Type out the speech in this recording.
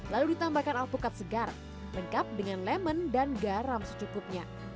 lalu ditambahkan alpukat segar lengkap dengan lemon dan garam secukupnya